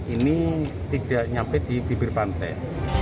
ini tidak nyampe di bibir pantai